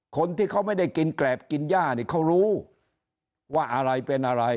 คนที่เขาไม่ได้กินแกรบกินย่าเนี่ยเขารู้ว่าอะไรเป็นอะไร